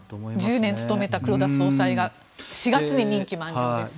１０年務めた黒田総裁が４月に任期満了です。